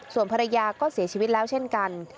ส่วนภรรยาก็เสียชีวิตแล้วเช่นกัน